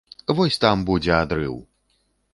Вось там будзе адрыў!